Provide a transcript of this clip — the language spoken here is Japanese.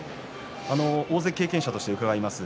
大関経験者として伺います。